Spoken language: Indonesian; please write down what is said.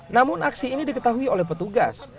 namun aksi ini diketahui oleh petugas